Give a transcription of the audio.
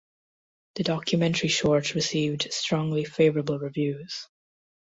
The documentary short received strongly favorable reviews.